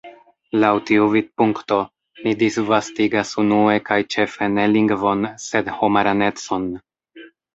Laŭ tiu vidpunkto, ni disvastigas unue kaj ĉefe ne lingvon, sed homaranecon.